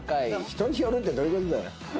人によるってどういう事だよ。